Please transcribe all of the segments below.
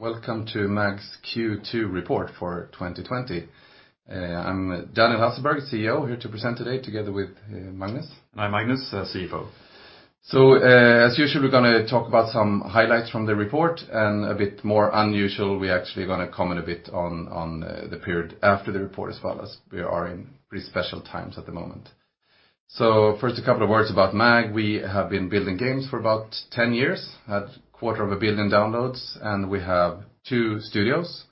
Hello. Welcome to MAG's Q2 report for 2020. I'm Daniel Hasselberg, CEO, here to present today together with Magnus. I'm Magnus, CFO. As usual, we're going to talk about some highlights from the report, and a bit more unusual, we actually are going to comment a bit on the period after the report as well as we are in pretty special times at the moment. First, a couple of words about MAG. We have been building games for about 10 years, had a quarter of a billion downloads, and we have two studios,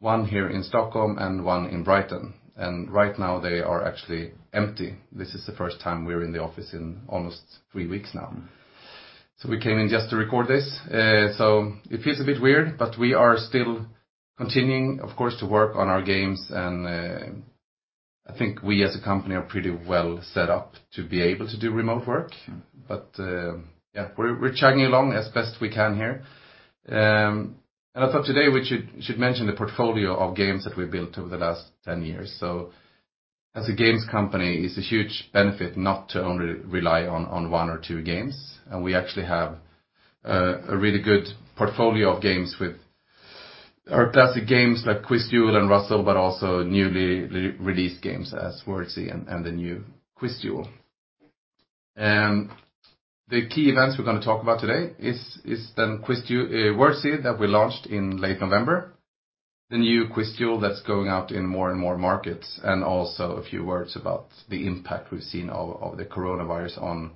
one here in Stockholm and one in Brighton. Right now they are actually empty. This is the first time we're in the office in almost three weeks now. We came in just to record this. It feels a bit weird, but we are still continuing, of course, to work on our games. I think we as a company are pretty well set up to be able to do remote work. Yeah, we're chugging along as best we can here. I thought today we should mention the portfolio of games that we've built over the last 10 years. As a games company, it's a huge benefit not to only rely on one or two games. We actually have a really good portfolio of games with our classic games like QuizDuel and Ruzzle, also newly released games as Wordzee and the new QuizDuel. The key events we're going to talk about today is Wordzee that we launched in late November, the new QuizDuel that's going out in more and more markets, also a few words about the impact we've seen of the coronavirus on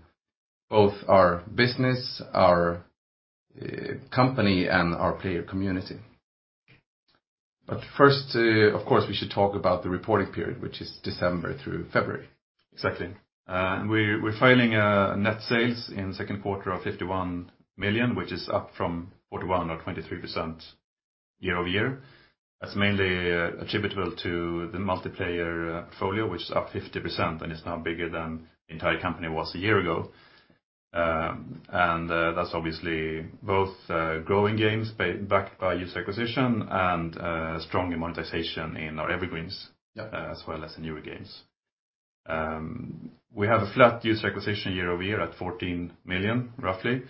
both our business, our company, and our player community. First, of course, we should talk about the reporting period, which is December through February. Exactly. We are filing net sales in the second quarter of 51 million, which is up from 41 or 23% year-over-year. That is mainly attributable to the multiplayer portfolio, which is up 50% and is now bigger than the entire company was a year ago. That is obviously both growing games backed by user acquisition and strong monetization in our evergreens as well as the newer games. We have a flat user acquisition year-over-year at 14 million roughly.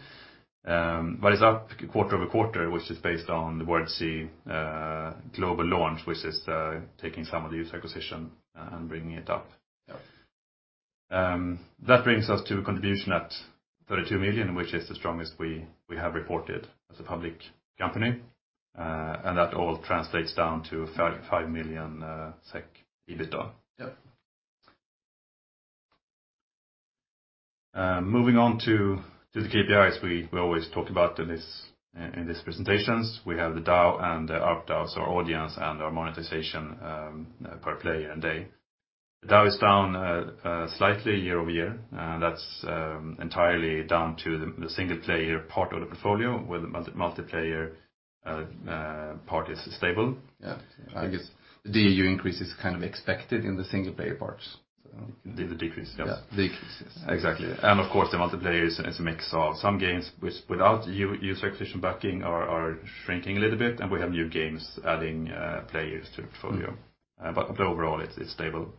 It is up quarter-over-quarter, which is based on the Wordzee global launch, which is taking some of the user acquisition and bringing it up. Yeah. That brings us to a contribution at 32 million, which is the strongest we have reported as a public company. That all translates down to 35 million SEK EBITDA. Yeah. Moving on to the KPIs we always talk about in these presentations. We have the DAU and the ARPDAU, so our audience and our monetization per player and day. The DAU is down slightly year-over-year. That's entirely down to the single-player part of the portfolio where the multi-player part is stable. Yeah. I guess the DAU increase is kind of expected in the single-player parts. The decrease. Yeah, decrease. Exactly. Of course, the multiplayer is a mix of some games which without user acquisition backing are shrinking a little bit, and we have new games adding players to the portfolio. Overall it's stable.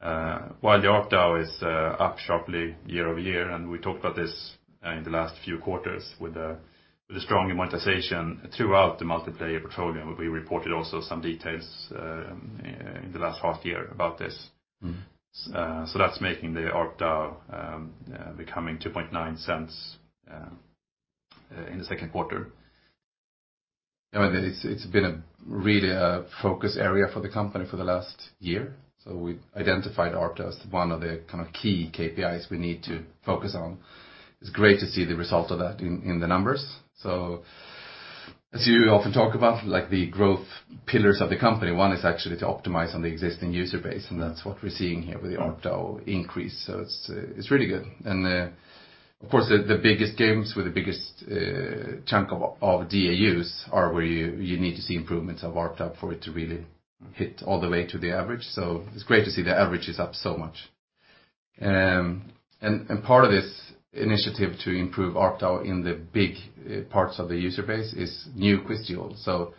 While the ARPDAU is up sharply year-over-year, and we talked about this in the last few quarters with the strong monetization throughout the multiplayer portfolio. We reported also some details in the last half year about this. That's making the ARPDAU becoming 0.029 in the second quarter. It's been really a focus area for the company for the last year. We identified ARPDAU as one of the key KPIs we need to focus on. It's great to see the result of that in the numbers. As you often talk about, the growth pillars of the company, one is actually to optimize on the existing user base, and that's what we're seeing here with the ARPDAU increase. It's really good. Of course, the biggest games with the biggest chunk of DAUs are where you need to see improvements of ARPDAU for it to really hit all the way to the average. It's great to see the average is up so much. Part of this initiative to improve ARPDAU in the big parts of the user base is new QuizDuel.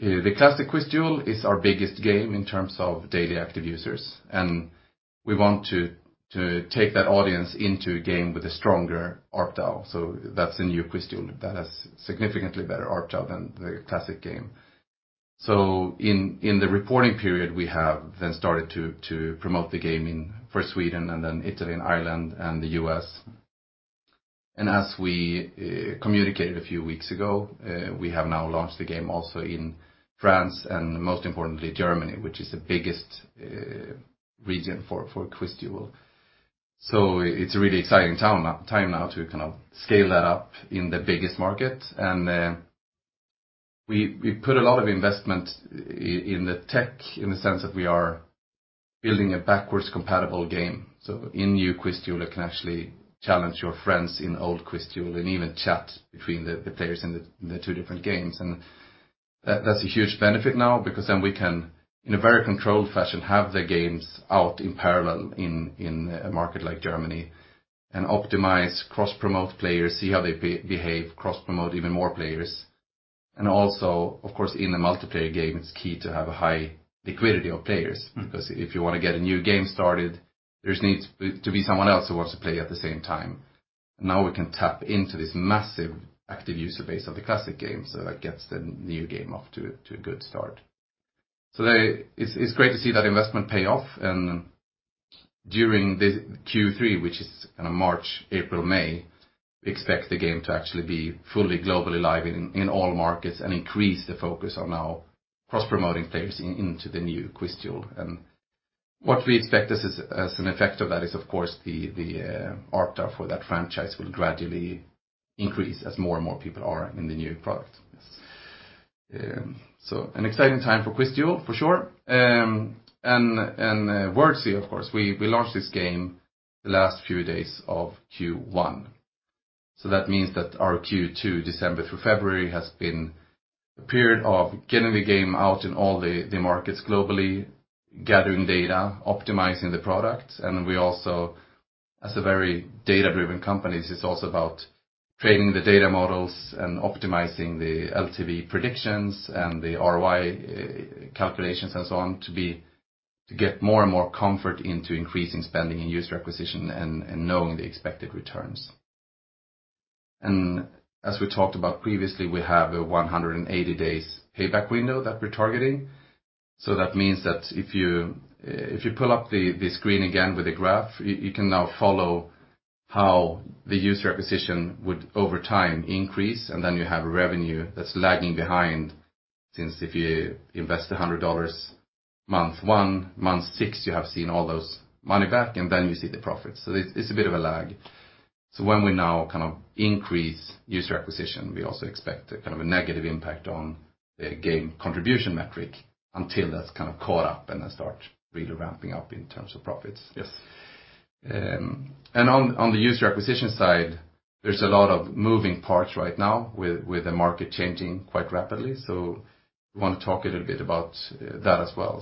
The classic QuizDuel is our biggest game in terms of daily active users, and we want to take that audience into a game with a stronger ARPDAU. That's in new QuizDuel that has significantly better ARPDAU than the classic game. In the reporting period, we have then started to promote the game for Sweden and then Italy and Ireland and the U.S. As we communicated a few weeks ago, we have now launched the game also in France and most importantly, Germany, which is the biggest region for QuizDuel. It's a really exciting time now to scale that up in the biggest market. We put a lot of investment in the tech in the sense that we are building a backwards-compatible game. In new QuizDuel, you can actually challenge your friends in old QuizDuel and even chat between the players in the two different games. That's a huge benefit now because then we can, in a very controlled fashion, have the games out in parallel in a market like Germany and optimize, cross-promote players, see how they behave, cross-promote even more players. Also, of course, in a multiplayer game, it's key to have a high liquidity of players. Because if you want to get a new game started, there needs to be someone else who wants to play at the same time. Now we can tap into this massive active user base of the classic game, so that gets the new game off to a good start. It's great to see that investment pay off, and during Q3, which is March, April, May, we expect the game to actually be fully globally live in all markets and increase the focus on now cross-promoting players into the new QuizDuel. What we expect as an effect of that is, of course, the ARPDAU for that franchise will gradually increase as more and more people are in the new product. Yes. An exciting time for QuizDuel for sure. Wordzee, of course, we launched this game the last few days of Q1. That means that our Q2, December through February, has been a period of getting the game out in all the markets globally, gathering data, optimizing the product, and we also, as a very data-driven company, it is also about training the data models and optimizing the LTV predictions and the ROI calculations and so on to get more and more comfort into increasing spending and user acquisition and knowing the expected returns. As we talked about previously, we have a 180-day payback window that we are targeting. That means that if you pull up the screen again with the graph, you can now follow how the user acquisition would over time increase, and then you have revenue that is lagging behind since if you invest SEK 100 month one, month six, you have seen all that money back and then you see the profit. It's a bit of a lag. When we now increase user acquisition, we also expect a negative impact on the game contribution metric until that's caught up and then start really ramping up in terms of profits. Yes. On the user acquisition side, there's a lot of moving parts right now with the market changing quite rapidly. We want to talk a little bit about that as well.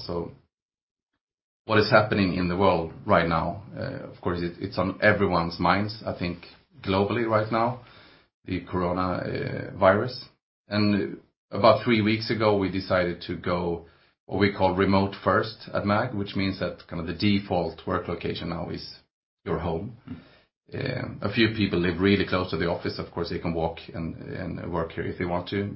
What is happening in the world right now? Of course, it's on everyone's minds, I think globally right now, the coronavirus. About three weeks ago, we decided to go what we call remote first at MAG, which means that the default work location now is your home. A few people live really close to the office. Of course, they can walk and work here if they want to.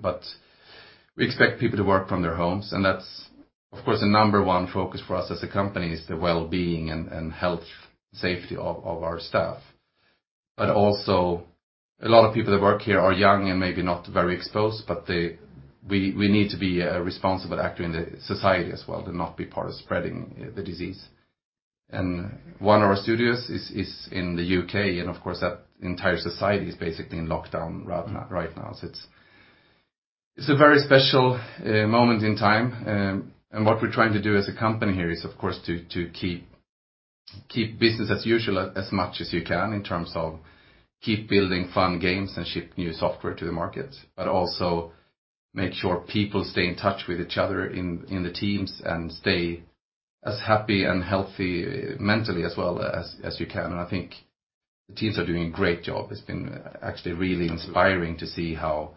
We expect people to work from their homes, and that's, of course, the number one focus for us as a company is the well-being and health, safety of our staff. Also a lot of people that work here are young and maybe not very exposed, but we need to be a responsible actor in the society as well to not be part of spreading the disease. One of our studios is in the U.K., and of course, that entire society is basically in lockdown right now. It's a very special moment in time. What we're trying to do as a company here is, of course, to keep business as usual as much as you can in terms of keep building fun games and ship new software to the market, but also make sure people stay in touch with each other in the teams and stay as happy and healthy mentally as well as you can. I think the teams are doing a great job. It's been actually really inspiring to see how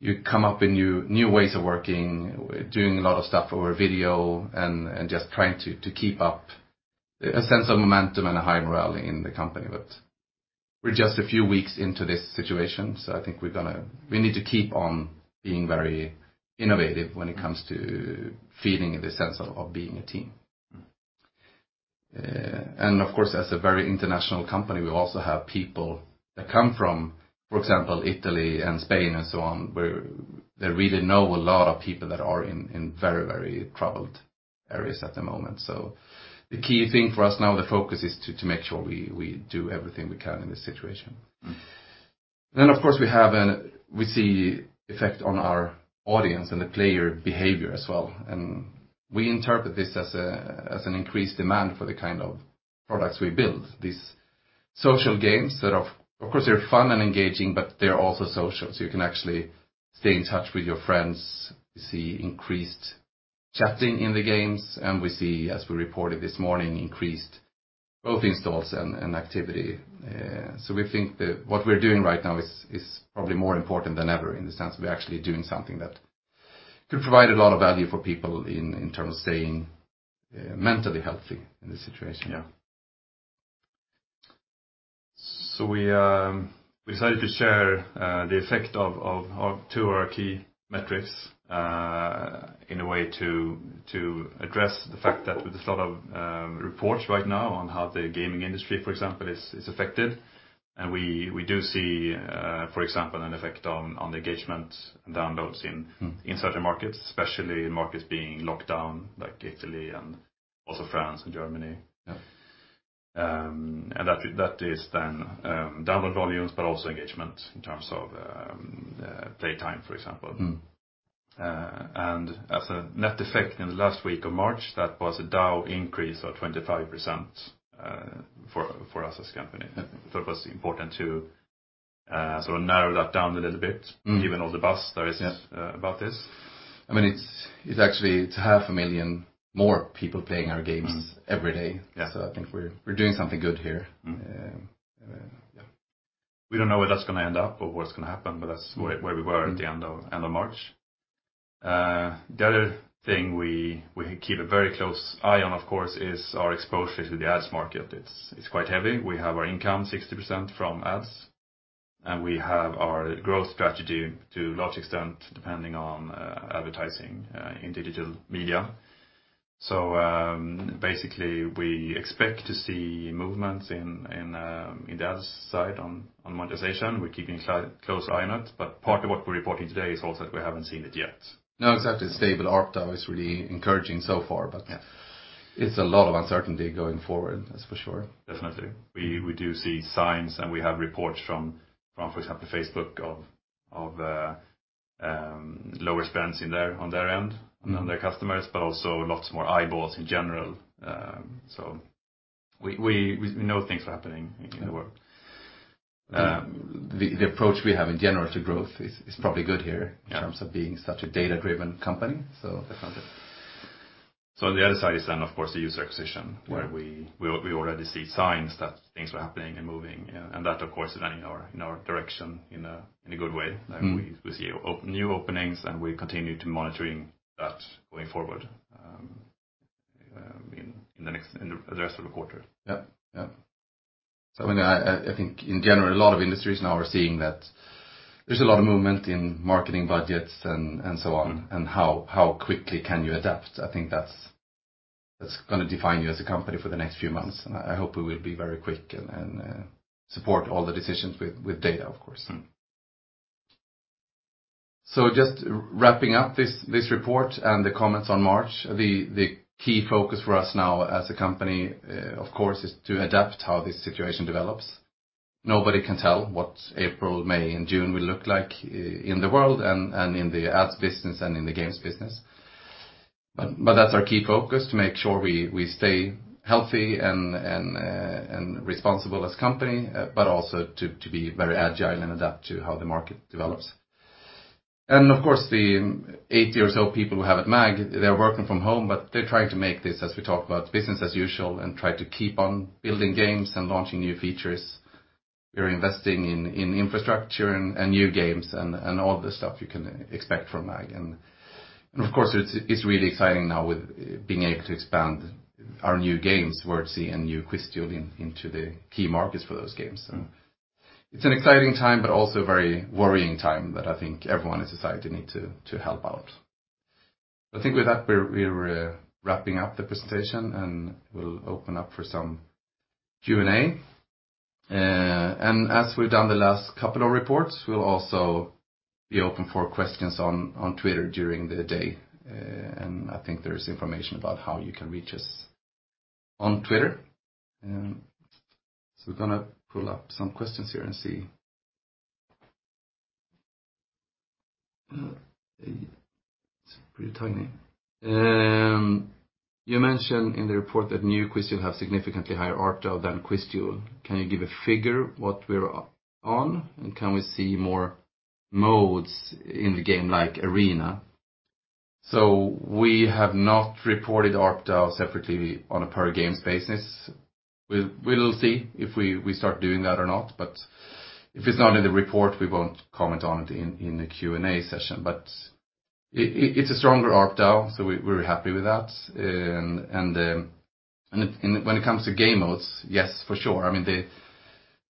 you come up with new ways of working, doing a lot of stuff over video, and just trying to keep up a sense of momentum and a high morale in the company. We're just a few weeks into this situation, so I think we need to keep on being very innovative when it comes to feeling the sense of being a team. Mm-hmm. Of course, as a very international company, we also have people that come from, for example, Italy and Spain and so on, where they really know a lot of people that are in very troubled areas at the moment. The key thing for us now, the focus is to make sure we do everything we can in this situation. Of course, we see effect on our audience and the player behavior as well. We interpret this as an increased demand for the kind of products we build. These social games that of course are fun and engaging, but they're also social. You can actually stay in touch with your friends, see increased chatting in the games. We see, as we reported this morning, increased both installs and activity. We think that what we're doing right now is probably more important than ever in the sense we're actually doing something that could provide a lot of value for people in terms of staying mentally healthy in this situation. We decided to share the effect of two of our key metrics in a way to address the fact that with a lot of reports right now on how the gaming industry, for example, is affected. We do see, for example, an effect on the engagement downloads in certain markets, especially in markets being locked down, like Italy and also France and Germany. That is then download volumes, but also engagement in terms of play time, for example. As a net effect in the last week of March, that was a DAU increase of 25% for us as a company. It was important to sort of narrow that down a little bit given all the buzz there is about this. It's actually 500,000 more people playing our games every day. I think we're doing something good here. Yeah. We don't know where that's going to end up or what's going to happen, but that's where we were at the end of March. The other thing we keep a very close eye on, of course, is our exposure to the ads market. It's quite heavy. We have our income 60% from ads, and we have our growth strategy to a large extent, depending on advertising in digital media. Basically, we expect to see movements in the ads side on monetization. We're keeping a close eye on it, part of what we're reporting today is also that we haven't seen it yet. No, exactly. Stable ARPDAU is really encouraging so far. Yeah It's a lot of uncertainty going forward, that's for sure. Definitely. We do see signs, and we have reports from, for example, Facebook of lower spends on their end and on their customers, but also lots more eyeballs in general. We know things are happening in the world. The approach we have in general to growth is probably good here. Yeah in terms of being such a data-driven company. Definitely. On the other side is then, of course, the user acquisition. Yeah where we already see signs that things are happening and moving, and that, of course, is then in our direction in a good way. We see new openings, we continue to monitoring that going forward in the rest of the quarter. Yeah. I think in general, a lot of industries now are seeing that there's a lot of movement in marketing budgets and so on, and how quickly can you adapt? I think that's going to define you as a company for the next few months, and I hope we will be very quick and support all the decisions with data, of course. Just wrapping up this report and the comments on March, the key focus for us now as a company, of course, is to adapt how this situation develops. Nobody can tell what April, May, and June will look like in the world and in the ads business and in the games business. That's our key focus, to make sure we stay healthy and responsible as a company, but also to be very agile and adapt to how the market develops. Of course, the 80 or so people we have at MAG, they are working from home, but they're trying to make this, as we talk about, business as usual and try to keep on building games and launching new features. We are investing in infrastructure and new games and all the stuff you can expect from MAG. Of course, it's really exciting now with being able to expand our new games, Wordzee and New QuizDuel into the key markets for those games. It's an exciting time, but also a very worrying time that I think everyone in society needs to help out. I think with that, we're wrapping up the presentation, and we'll open up for some Q&A. As we've done the last couple of reports, we'll also be open for questions on Twitter during the day, and I think there is information about how you can reach us on Twitter. We're going to pull up some questions here and see. It's pretty tiny. You mentioned in the report that New QuizDuel have significantly higher ARPDAU than QuizDuel. Can you give a figure what we're on? Can we see more modes in the game like Arena? We have not reported ARPDAU separately on a per-games basis. We'll see if we start doing that or not, but if it's not in the report, we won't comment on it in the Q&A session. It's a stronger ARPDAU, we're happy with that. When it comes to game modes, yes, for sure.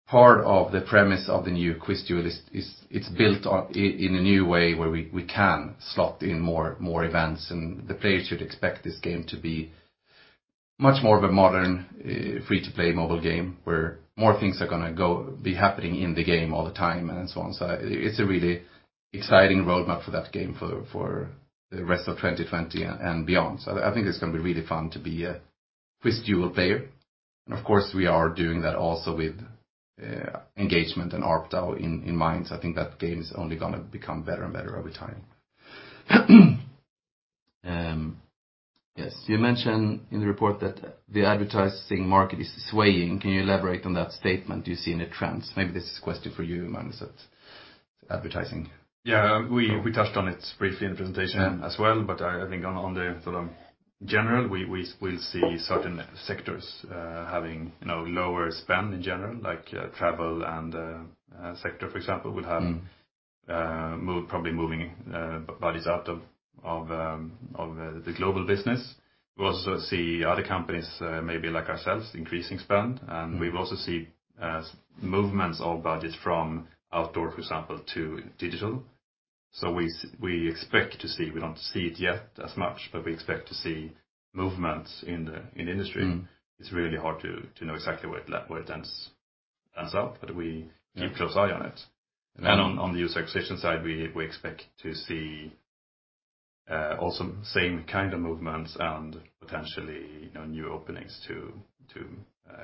Part of the premise of the new QuizDuel is it's built in a new way where we can slot in more events, and the players should expect this game to be much more of a modern free-to-play mobile game where more things are going to be happening in the game all the time and so on. It's a really exciting roadmap for that game for the rest of 2020 and beyond. I think it's going to be really fun to be a QuizDuel player. Of course, we are doing that also with engagement and ARPDAU in mind. I think that game is only going to become better and better over time. Yes. You mentioned in the report that the advertising market is swaying. Can you elaborate on that statement you see in the trends? Maybe this is a question for you, Magnus, at advertising. Yeah. I think on the general, we will see certain sectors having lower spend in general, like travel and sector, for example, will have probably moving budgets out of the global business. We also see other companies, maybe like ourselves, increasing spend, we've also see movements of budgets from outdoor, for example, to digital. We expect to see, we don't see it yet as much, but we expect to see movements in the industry. It's really hard to know exactly where it ends up, but we keep close eye on it. On the user acquisition side, we expect to see also same kind of movements and potentially new openings to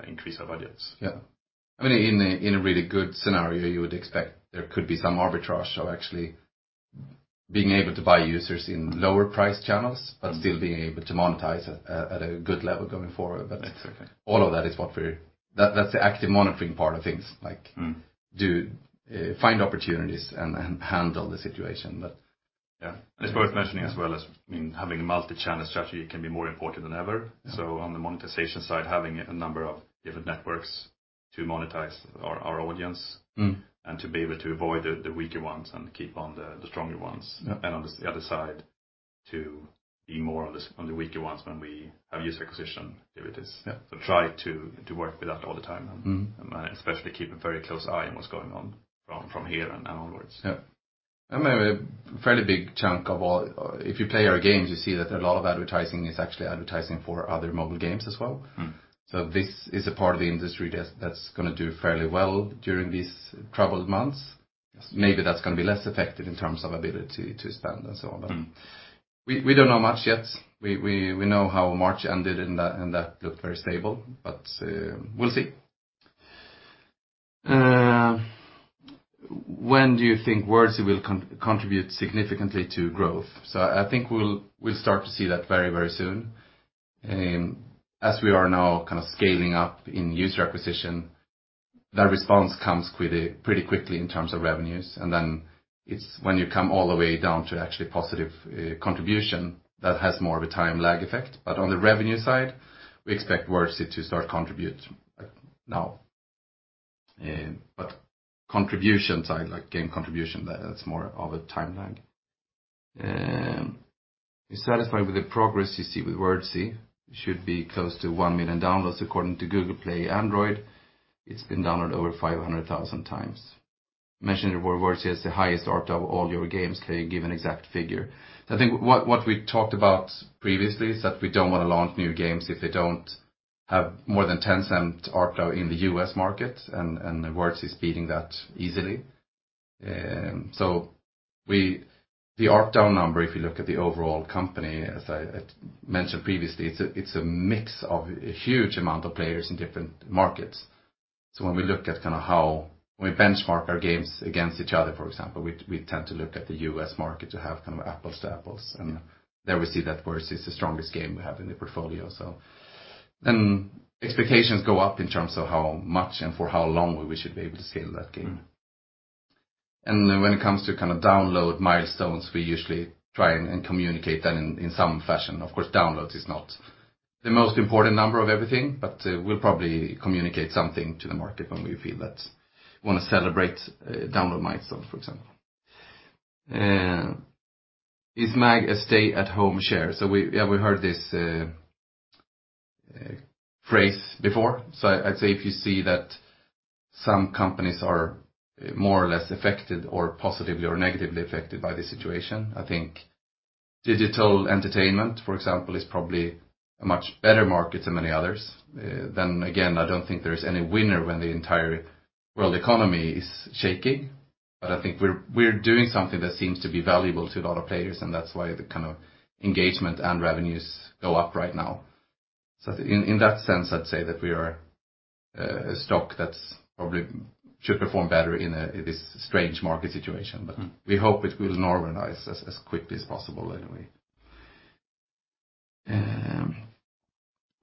increase our budgets. Yeah. In a really good scenario, you would expect there could be some arbitrage of actually being able to buy users in lower-priced channels but still being able to monetize at a good level going forward. Exactly. All of that is That's the active monitoring part of things. Find opportunities and handle the situation. It's worth mentioning as well as having a multi-channel strategy can be more important than ever. On the monetization side, having a number of different networks to monetize our audience and to be able to avoid the weaker ones and keep on the stronger ones. On the other side, to be more on the weaker ones when we have user acquisition activities. Yeah. Try to work with that all the time and especially keep a very close eye on what's going on from here and onwards. If you play our games, you see that a lot of advertising is actually advertising for other mobile games as well. This is a part of the industry that's going to do fairly well during these troubled months. Yes. Maybe that's going to be less effective in terms of ability to spend and so on. We don't know much yet. We know how March ended. That looked very stable. We'll see. When do you think Wordzee will contribute significantly to growth? I think we'll start to see that very soon. As we are now scaling up in user acquisition, that response comes pretty quickly in terms of revenues. It's when you come all the way down to actually positive contribution that has more of a time lag effect. On the revenue side, we expect Wordzee to start contribute now. Contribution side, like game contribution, that's more of a time lag. Are you satisfied with the progress you see with Wordzee? Should be close to 1 million downloads according to Google Play Android. It's been downloaded over 500,000x. Mentioned Wordzee has the highest ARPDAU of all your games. Can you give an exact figure? I think what we talked about previously is that we don't want to launch new games if they don't have more than 0.10 ARPDAU in the U.S. market, and Wordzee is beating that easily. The ARPDAU number, if you look at the overall company, as I mentioned previously, it's a mix of a huge amount of players in different markets. When we look at how we benchmark our games against each other, for example, we tend to look at the U.S. market to have apples to apples. There we see that Wordzee is the strongest game we have in the portfolio. Expectations go up in terms of how much and for how long we should be able to scale that game. When it comes to download milestones, we usually try and communicate that in some fashion. Of course, downloads is not the most important number of everything, but we'll probably communicate something to the market when we feel that we want to celebrate a download milestone, for example. Is MAG a stay-at-home share? We heard this phrase before. I'd say if you see that some companies are more or less affected or positively or negatively affected by the situation, I think digital entertainment, for example, is probably a much better market than many others. Again, I don't think there is any winner when the entire world economy is shaking. I think we're doing something that seems to be valuable to a lot of players, and that's why the kind of engagement and revenues go up right now. In that sense, I'd say that we are a stock that probably should perform better in this strange market situation. We hope it will normalize as quickly as possible anyway.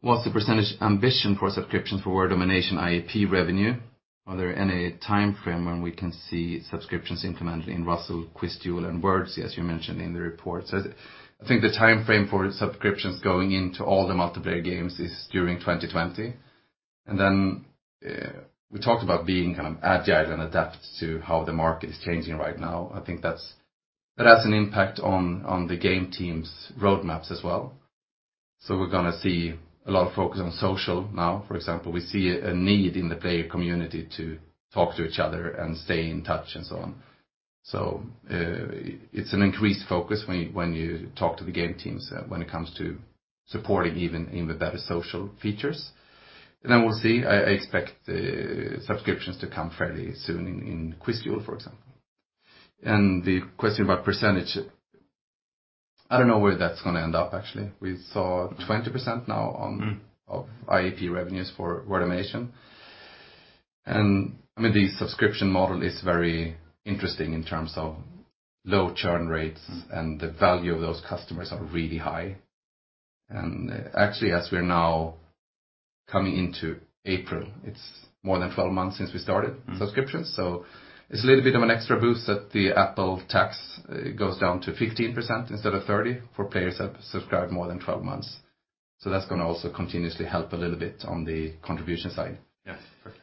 What's the percentage ambition for subscriptions for Word Domination IAP revenue? Are there any timeframe when we can see subscriptions implemented in Ruzzle, QuizDuel, and Wordzee, as you mentioned in the report? I think the timeframe for subscriptions going into all the multiplayer games is during 2020. We talked about being agile and adapt to how the market is changing right now. I think that has an impact on the game team's roadmaps as well. We're going to see a lot of focus on social now, for example. We see a need in the player community to talk to each other and stay in touch and so on. It's an increased focus when you talk to the game teams when it comes to supporting even better social features. We'll see. I expect subscriptions to come fairly soon in QuizDuel, for example. The question about percentage, I don't know where that's going to end up, actually. We saw 20% now of IAP revenues for Word Domination. The subscription model is very interesting in terms of low churn rates, and the value of those customers are really high. Actually, as we are now coming into April, it's more than 12 months since we started subscriptions. It's a little bit of an extra boost that the Apple tax goes down to 15% instead of 30% for players that have subscribed more than 12 months. That's going to also continuously help a little bit on the contribution side. Yes, perfect.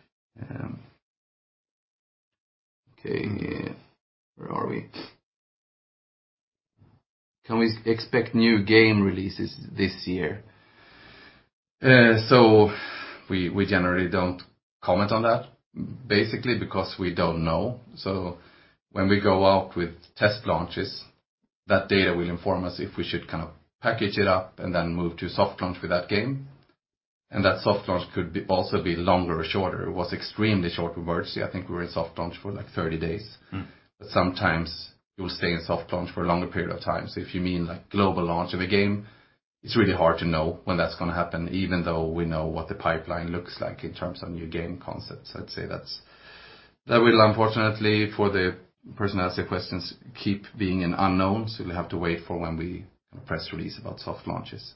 Okay. Where are we? Can we expect new game releases this year? We generally don't comment on that, basically because we don't know. When we go out with test launches, that data will inform us if we should package it up and then move to soft launch with that game. That soft launch could also be longer or shorter. It was extremely short with Wordzee. I think we were in soft launch for 30 days. Sometimes you will stay in soft launch for a longer period of time. If you mean global launch of a game, it's really hard to know when that's going to happen, even though we know what the pipeline looks like in terms of new game concepts. I'd say that will, unfortunately for the person asking the questions, keep being an unknown. We'll have to wait for when we press release about soft launches.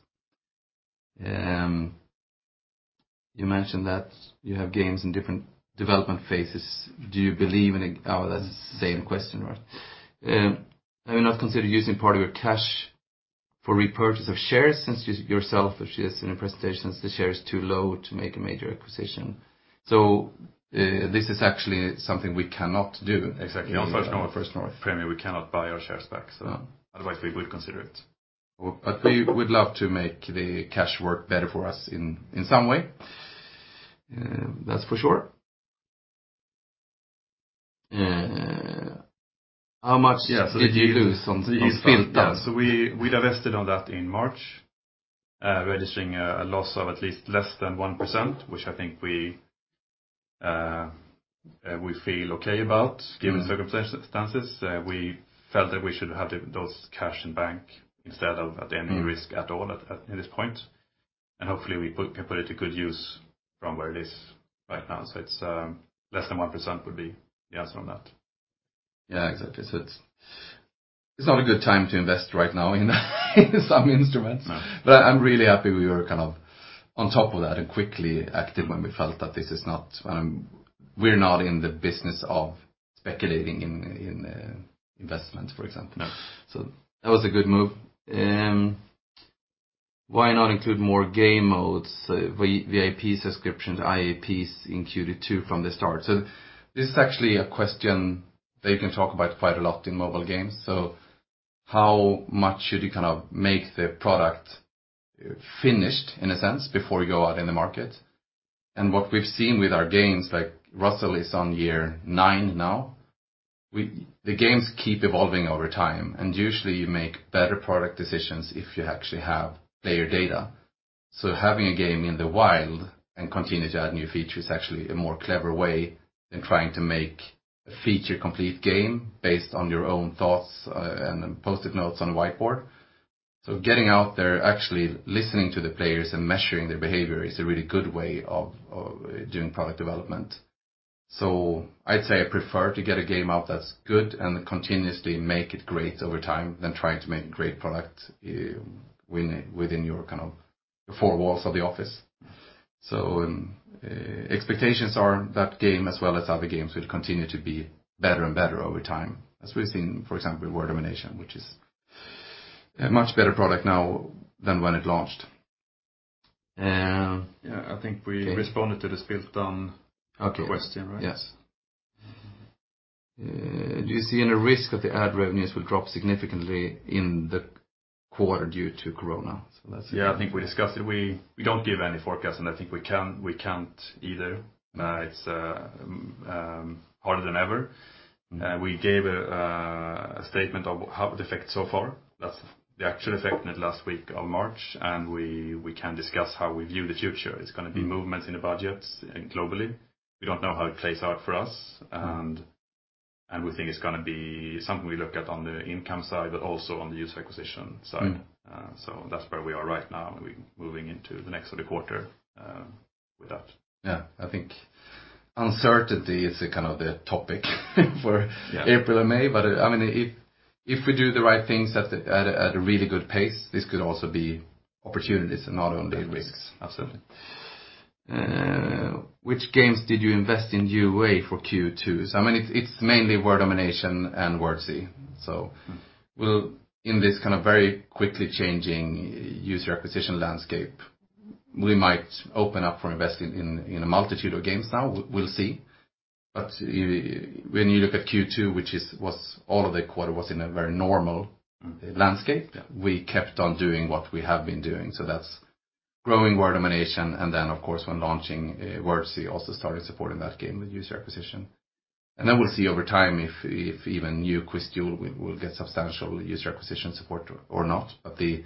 You mentioned that you have games in different development phases. Oh, that's the same question. Have you not considered using part of your cash for repurchase of shares since you yourself have shared in your presentations, the share is too low to make a major acquisition? This is actually something we cannot do. Exactly. Unfortunately. Under current Premier, we cannot buy our shares back, otherwise we would consider it. We would love to make the cash work better for us in some way. That's for sure. How much did you lose on Spiltan? We divested on that in March, registering a loss of at least less than 1%, which I think we feel okay about given the circumstances. We felt that we should have those cash in bank instead of at any risk at all at this point. Hopefully we can put it to good use from where it is right now. It's less than 1% would be the answer on that. Yeah, exactly. It's not a good time to invest right now in some instruments. No. I'm really happy we were on top of that and quickly active when we felt that We're not in the business of speculating in investment, for example. No. That was a good move. Why not include more game modes, VIP subscriptions, IAPs in Q2 from the start? This is actually a question that you can talk about quite a lot in mobile games. How much should you make the product finished in a sense before you go out in the market? What we've seen with our games, like Ruzzle is on year nine now. The games keep evolving over time, and usually you make better product decisions if you actually have player data. Having a game in the wild and continue to add new features is actually a more clever way than trying to make a feature complete game based on your own thoughts and post-it notes on a whiteboard. Getting out there, actually listening to the players and measuring their behavior is a really good way of doing product development. I'd say I prefer to get a game out that's good and continuously make it great over time than trying to make a great product within your four walls of the office. Expectations are that game as well as other games will continue to be better and better over time, as we've seen, for example, Word Domination, which is a much better product now than when it launched. Yeah, I think we responded to the Spiltan question, right? Yes. Do you see any risk that the ad revenues will drop significantly in the quarter due to Corona? Yeah, I think we discussed it. We don't give any forecast, and I think we can't either. It's harder than ever. We gave a statement of how it affected so far. That's the actual effect in the last week of March, and we can discuss how we view the future. It's going to be movements in the budgets globally. We don't know how it plays out for us, and we think it's going to be something we look at on the income side, but also on the user acquisition side. That's where we are right now, and we're moving into the next of the quarter with that. Yeah, I think uncertainty is the topic for April and May. If we do the right things at a really good pace, this could also be opportunities and not only risks. Absolutely. Which games did you invest in UA for Q2? It's mainly Word Domination and Wordzee. In this very quickly changing user acquisition landscape, we might open up for investing in a multitude of games now. We'll see. When you look at Q2, which all of the quarter was in a very normal landscape. Yeah we kept on doing what we have been doing. That's growing Word Domination, and then, of course, when launching Wordzee, also started supporting that game with user acquisition. Then we'll see over time if even new QuizDuel will get substantial user acquisition support or not. The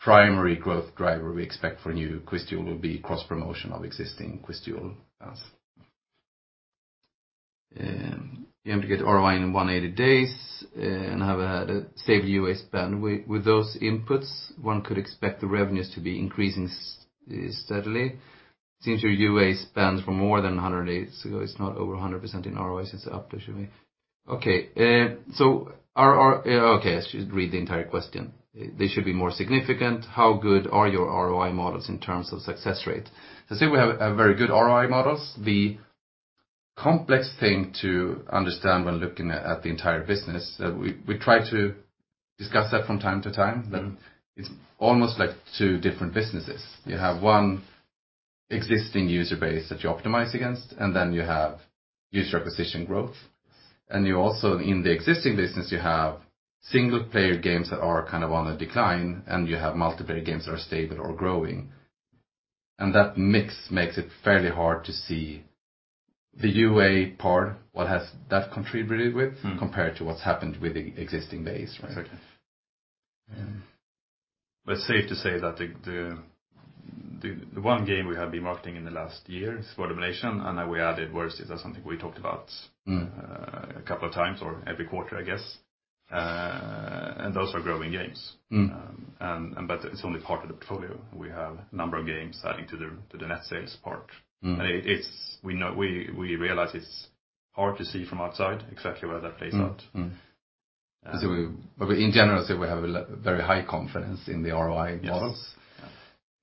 primary growth driver we expect for new QuizDuel will be cross-promotion of existing QuizDuel. You have to get ROI in 180 days and have a stable UA spend. With those inputs, one could expect the revenues to be increasing steadily. It seems your UA spends for more than 100 days ago, it's not over 100% in ROI, since it's up, assuming. Okay, I should read the entire question. They should be more significant. How good are your ROI models in terms of success rate? I say we have a very good ROI models. The complex thing to understand when looking at the entire business, we try to discuss that from time to time, but it's almost like two different businesses. You have one existing user base that you optimize against, and then you have user acquisition growth. You also, in the existing business, you have single-player games that are on the decline, and you have multiplayer games that are stable or growing. That mix makes it fairly hard to see the UA part, what has that contributed with compared to what's happened with the existing base. Exactly. It's safe to say that the one game we have been marketing in the last year is Word Domination, and then we added Wordzee. That's something we talked about a couple of times or every quarter, I guess. Those are growing games. It's only part of the portfolio. We have a number of games adding to the net sales part. We realize it's hard to see from outside exactly where that plays out. In general, we have a very high confidence in the ROI models.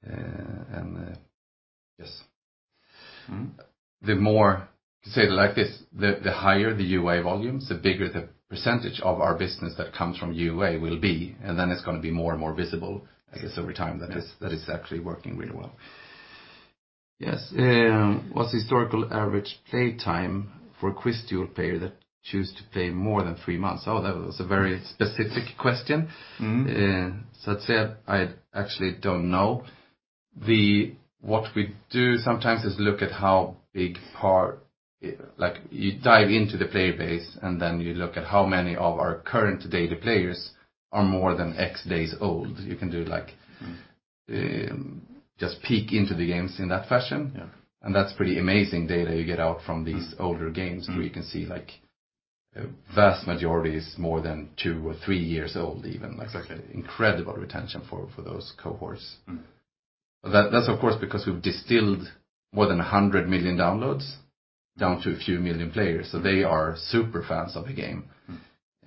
Yes. Yes. The more, say it like this, the higher the UA volumes, the bigger the percentage of our business that comes from UA will be, and then it's going to be more and more visible, I guess, over time that it's actually working really well. Yes. What's the historical average playtime for a QuizDuel player that choose to play more than three months? Oh, that was a very specific question. I'd say I actually don't know. What we do sometimes is look at how big. You dive into the player base, and then you look at how many of our current daily players are more than X days old. You can do. Just peek into the games in that fashion. Yeah. That's pretty amazing data you get out from these older games. Where you can see vast majority is more than two or three years old, even. Exactly. Incredible retention for those cohorts. That's of course, because we've distilled more than 100 million downloads down to a few million players, so they are super fans of the game.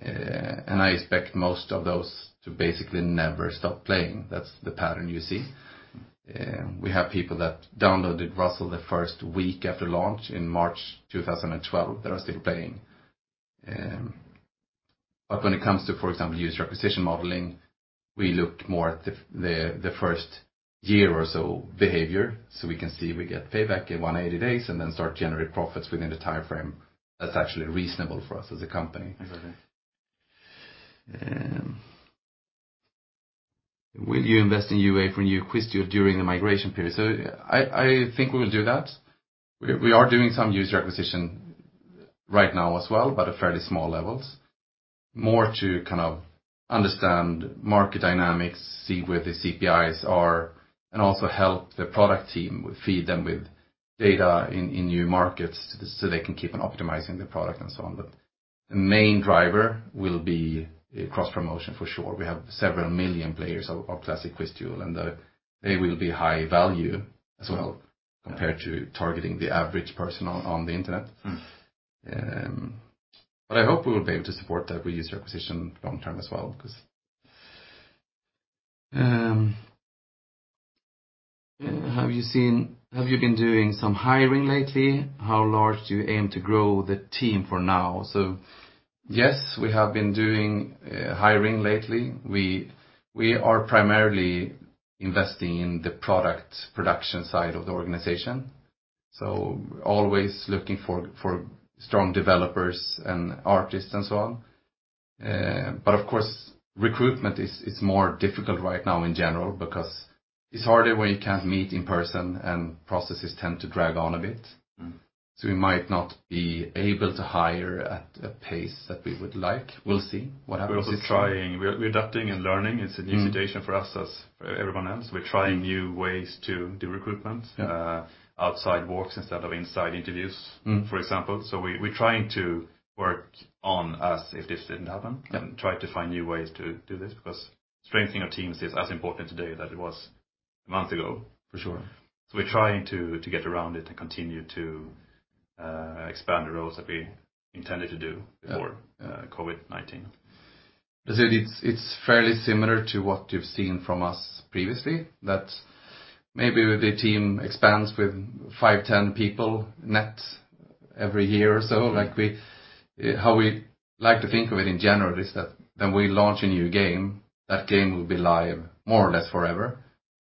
I expect most of those to basically never stop playing. That's the pattern you see. We have people that downloaded Ruzzle the first week after launch in March 2012 that are still playing. When it comes to, for example, user acquisition modeling, we look more at the first year or so behavior, so we can see we get payback in 180 days and then start generate profits within the timeframe that's actually reasonable for us as a company. Exactly. Will you invest in UA for new QuizDuel during the migration period? I think we will do that. We are doing some user acquisition right now as well, at fairly small levels. More to kind of understand market dynamics, see where the CPIs are, and also help the product team, feed them with data in new markets so they can keep on optimizing the product and so on. The main driver will be cross-promotion for sure. We have several million players of classic QuizDuel, they will be high value as well compared to targeting the average person on the internet. I hope we will be able to support that with user acquisition long-term as well. Have you been doing some hiring lately? How large do you aim to grow the team for now? Yes, we have been doing hiring lately. We are primarily investing in the production side of the organization. Always looking for strong developers and artists and so on. Of course, recruitment is more difficult right now in general because it's harder when you can't meet in person, and processes tend to drag on a bit. We might not be able to hire at a pace that we would like. We'll see what happens. We're also trying. We are adapting and learning. It's a new situation for us as everyone else. We're trying new ways to do recruitment. Yeah. Outside walks instead of inside interviews. For example. We're trying to work on as if this didn't happen. Yeah. We try to find new ways to do this because strengthening our teams is as important today as it was a month ago. For sure. We're trying to get around it and continue to expand the roles that we intended to do before COVID-19. It's fairly similar to what you've seen from us previously. That maybe the team expands with five, 10 people net every year or so. How we like to think of it in general is that when we launch a new game, that game will be live more or less forever,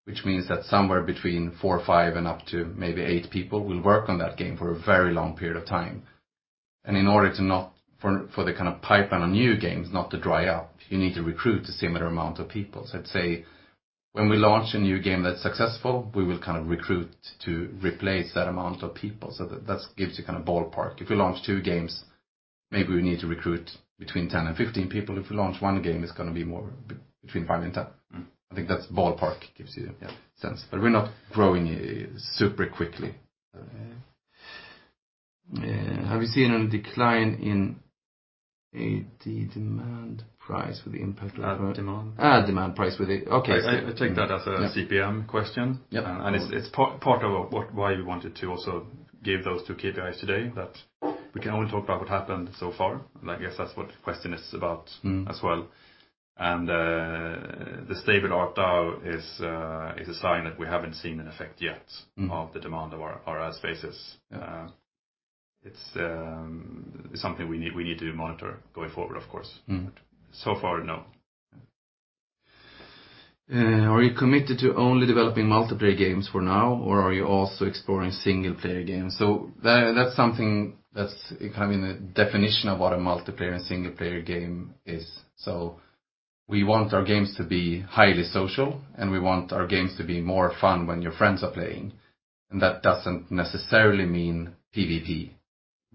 which means that somewhere between four or five and up to maybe eight people will work on that game for a very long period of time. In order for the kind of pipeline of new games not to dry up, you need to recruit a similar amount of people. I'd say when we launch a new game that's successful, we will kind of recruit to replace that amount of people. That gives you a kind of ballpark. If we launch two games, maybe we need to recruit between 10 and 15 people. If we launch one game, it's going to be more between five and 10. I think that ballpark gives you a sense. We're not growing super quickly. Okay. Have you seen a decline in Ad demand price? Okay. I take that as a CPM question. Yep. It's part of why we wanted to also give those two KPIs today that we can only talk about what happened so far, and I guess that's what the question is about as well. The stable ARPDAU is a sign that we haven't seen an effect yet of the demand of our ad spaces. Yeah. It's something we need to monitor going forward, of course. So far, no. Are you committed to only developing multiplayer games for now, or are you also exploring single-player games? That's something that's kind of in the definition of what a multiplayer and single-player game is. We want our games to be highly social, and we want our games to be more fun when your friends are playing, and that doesn't necessarily mean PVP.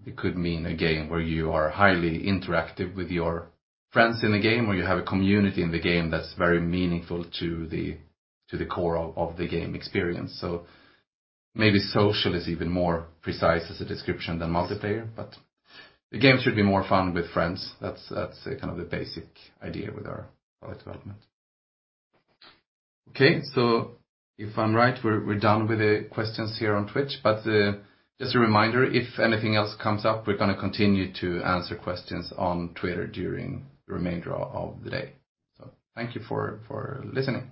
It could mean a game where you are highly interactive with your friends in the game, or you have a community in the game that's very meaningful to the core of the game experience. Maybe social is even more precise as a description than multiplayer. The game should be more fun with friends. That's kind of the basic idea with our product development. Okay. If I'm right, we're done with the questions here on Twitch. Just a reminder, if anything else comes up, we're going to continue to answer questions on Twitter during the remainder of the day. Thank you for listening.